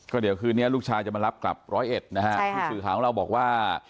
เดี๋ยวคืนนี้ลูกชายจะมารับกลับร้อยเอ็ดนะฮะผู้สื่อข่าวของเราบอกว่า